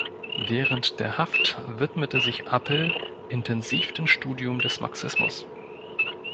Während der Haft widmete sich Appel intensiv dem Studium des Marxismus.